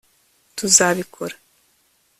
Tuzabikora